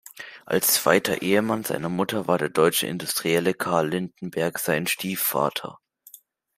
Als zweiter Ehemann seiner Mutter war der deutsche Industrielle Karl Lindenberg sein Stiefvater.